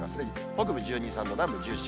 北部１２、３度、南部。